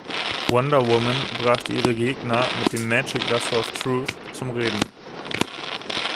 Wonder Woman brachte ihre Gegner mit dem „Magic Lasso of Truth“ zum Reden.